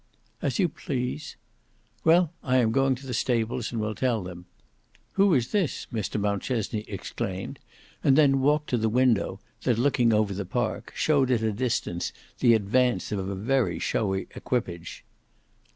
"As you please." "Well I am going to the stables and will tell them. Who is this?" Mr Mountchesney exclaimed, and then walked to the window that looking over the park showed at a distance the advance of a very showy equipage.